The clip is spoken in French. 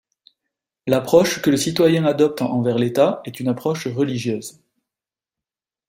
L'approche que le citoyen adopte envers l'État est une approche religieuse.